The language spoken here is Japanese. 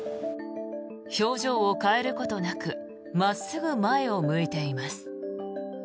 表情を変えることなく真っすぐ前を向いています。